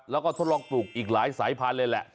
แล้วก็ทดลองปลูกอีกหลายสายพันธุ์เลยแหละ